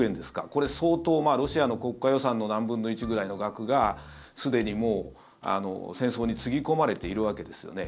これ相当、ロシアの国家予算の何分の１くらいの額がすでにもう戦争につぎ込まれているわけですよね。